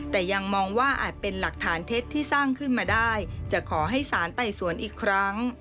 แต่ยังมองว่าอาจเป็นหลักฐานเท็จที่สร้างขึ้นมาได้จะขอให้สารไต่สวนอีกครั้ง